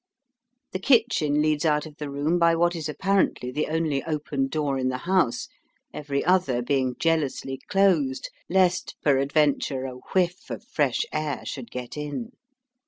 The kitchen leads out of the room by what is apparently the only open door in the house, every other being jealously closed lest peradventure a whiff of fresh air should get in.